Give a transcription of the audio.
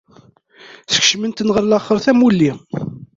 Skecmen-ten ɣer laxert am wulli.